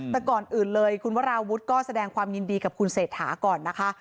แต่ก่อนอื่นเลยคุณวราวุฒิก็แสดงความยินดีกับคุณเศรษฐาก่อนนะคะ